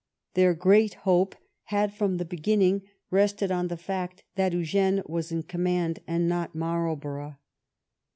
Their great hope had from the beginning rested on the fact that Eugene was in conunand and not Marlborough.